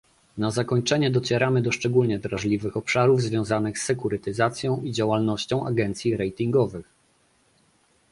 Na zakończenie docieramy do szczególnie drażliwych obszarów związanych z sekurytyzacją i działalnością agencji ratingowych